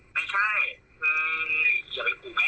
ไม่ใช่อย่าไปขู่แม่